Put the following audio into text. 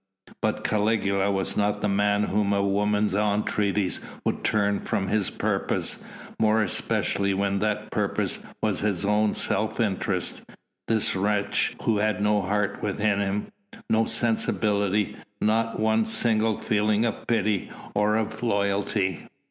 But Caligula was not the man whom a woman's entreaties would turn from his purpose, more especially when that purpose was his own self interest. This wretch had no heart within him, no sensibility, not one single feeling of pity or of loyalty.